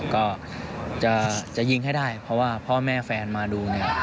ก็จะยิงให้ได้เพราะว่าพ่อแม่แฟนมาดูเนี่ย